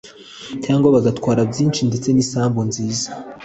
cyangwa bagatwara byinshi ndetse n’isambu nziza,